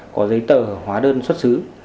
có giấy tờ hóa đơn xuất xứ